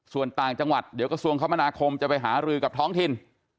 ส่วนต่างจังหวัดเดี๋ยวกระทรวงคมนาคมจะไปหารือกับท้องถิ่น